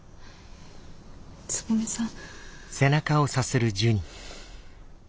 つぐみさん。